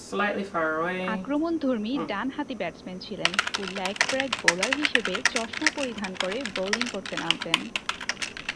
আক্রমণধর্মী ডানহাতি ব্যাটসম্যান ছিলেন ও লেগ ব্রেক বোলার হিসেবে চশমা পরিধান করে বোলিং করতে নামতেন।